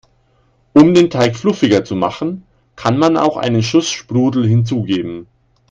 Um den Teig fluffiger zu machen, kann man auch einen Schuss Sprudel hinzugeben.